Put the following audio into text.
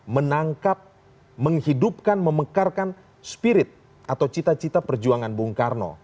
menangkap menghidupkan memekarkan spirit atau cita cita perjuangan bung karno